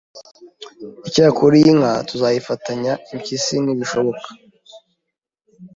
Icyakora iyi nka tuzayifatanya Impyisi iti Ntibishoboka